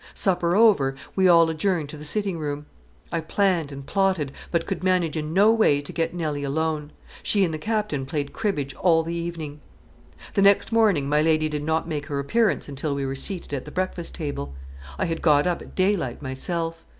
Supper over, we all adjourned to the sitting room. I planned and plotted, but could manage in no way to get Nelly alone. She and the Captain played cribbage all the evening. The next morning my lady did not make her appearance until we were seated at the breakfast table. I had got up at daylight myself.